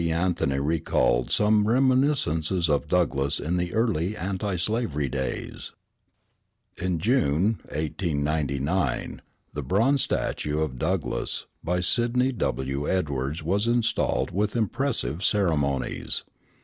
Anthony recalled some reminiscences of Douglass in the early anti slavery days. In June, 1899, the bronze statue of Douglass, by Sidney W. Edwards, was installed with impressive ceremonies.